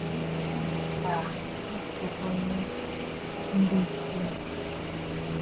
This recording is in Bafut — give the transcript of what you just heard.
Tswe biʼinə̀ fàa ɨtugə mbi siì.